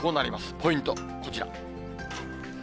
ポイント、こちら。